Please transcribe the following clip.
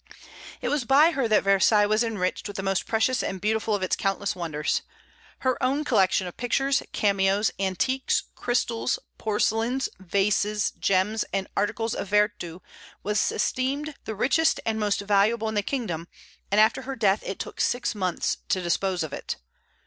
It was by her that Versailles was enriched with the most precious and beautiful of its countless wonders. Her own collection of pictures, cameos, antiques, crystals, porcelains, vases, gems, and articles of vertu was esteemed the richest and most valuable in the kingdom, and after her death it took six months to dispose of it.